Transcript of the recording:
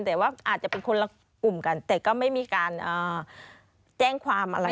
แต่ว่าอาจจะเป็นคนละกลุ่มกันแต่ก็ไม่มีการแจ้งความอะไร